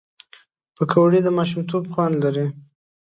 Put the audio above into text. پکورې د ماشومتوب خوند لري